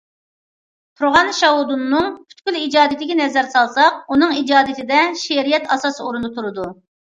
تۇرغان شاۋۇدۇننىڭ پۈتكۈل ئىجادىيىتىگە نەزەر سالساق، ئۇنىڭ ئىجادىيىتىدە شېئىرىيەت ئاساسىي ئورۇندا تۇرىدۇ.